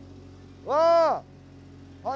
わあ！